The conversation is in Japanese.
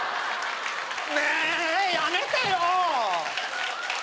ねえやめてよ！